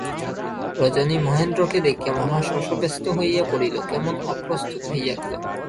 রজনী মহেন্দ্রকে দেখিয়া মহা শশব্যস্ত হইয়া পড়িল, কেমন অপ্রস্তুত হইয়া গেল।